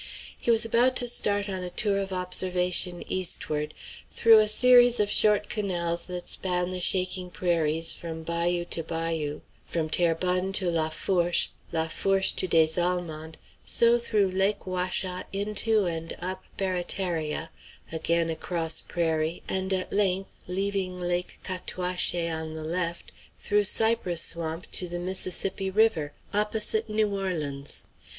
He was about to start on a tour of observation eastward through a series of short canals that span the shaking prairies from bayou to bayou, from Terrebonne to Lafourche, Lafourche to Des Allemands, so through Lake Ouacha into and up Barataria, again across prairie, and at length, leaving Lake Cataouaché on the left, through cypress swamp to the Mississippi River, opposite New Orleans.